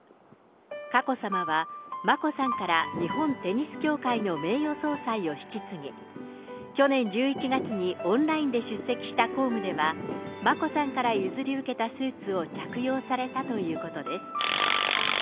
佳子さまは、眞子さんから日本テニス協会の名誉総裁を引き継ぎ、去年１１月にオンラインで出席した公務では、眞子さんから譲り受けたスーツを着用されたということです。